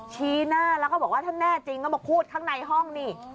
ชี้หน้าแล้วก็บอกว่าถ้าแน่จริงก็มาพูดข้างในห้องนี่